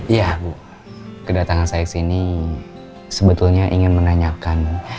iya bu kedatangan saya ke sini sebetulnya ingin menanyakan